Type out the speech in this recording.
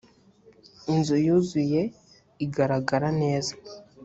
inzu yuzuye igaragara neza.